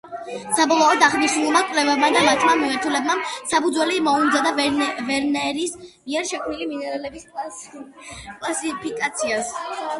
საბოლოოდ, აღნიშნულმა კვლევებმა და მათმა მიმართულებამ, საფუძველი მოუმზადა ვერნერის მიერ შექმნილ მინერალების კლასიფიკაციას.